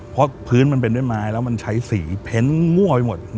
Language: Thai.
เพราะพื้นมันเป็นด้วยไม้แล้วมันใช้สีเพ้นมั่วไปหมด